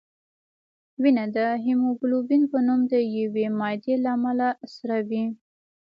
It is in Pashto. وینه د هیموګلوبین په نوم د یوې مادې له امله سره وي